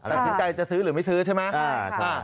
ตัดสินใจจะซื้อหรือไม่ซื้อใช่ไหม